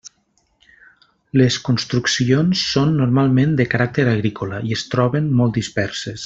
Les construccions són normalment de caràcter agrícola i es troben molt disperses.